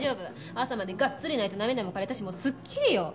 朝までがっつり泣いて涙も枯れたしすっきりよ。